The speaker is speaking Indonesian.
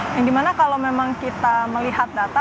yang dimana kalau memang kita melihat data